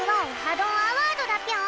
どんアワード」だぴょん。